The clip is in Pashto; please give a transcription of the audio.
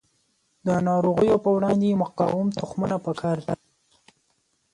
د ناروغیو په وړاندې مقاوم تخمونه پکار دي.